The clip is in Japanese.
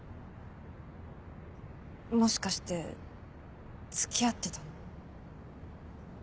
もしかして付き合ってたの？